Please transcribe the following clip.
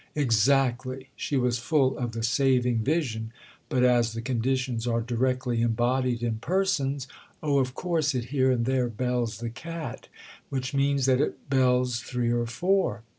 "Exactly"—she was full of the saving vision; "but as the conditions are directly embodied in persons——" "Oh, of course it here and there bells the cat; which means that it bells three or four."